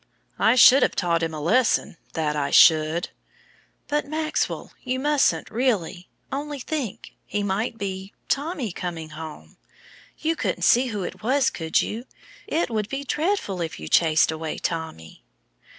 "I should have taught him a lesson, that I should!" "But, Maxwell, you mustn't, really! Only think, he might be Tommy coming home! You couldn't see who it was, could you? It would be dreadful if you chased away Tommy."